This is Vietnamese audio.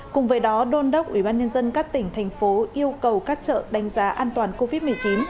cùng với đó đôn đốc ubnd các tỉnh thành phố yêu cầu các chợ đánh giá an toàn covid một mươi chín